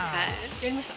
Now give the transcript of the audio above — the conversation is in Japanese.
やりました？